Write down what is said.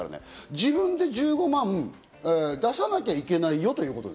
自分で１５万を出さなきゃいけないよということ。